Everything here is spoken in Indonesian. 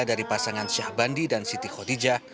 dari pasangan syahbandi dan siti khotijah